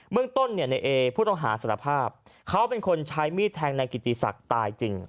เมืองต้นเนี่ยในเอผู้ต้องหาสารภาพเขาเป็นคนใช้มีดแทงนายกิติศักดิ์ตายจริง